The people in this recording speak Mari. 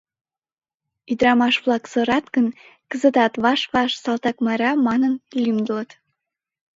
Ӱдырамаш-влак сырат гын, кызытат ваш-ваш «Салтак Майра» манын лӱмдылыт.